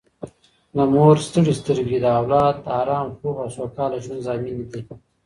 د مور ستړې سترګې د اولاد د ارام خوب او سوکاله ژوند ضامنې دي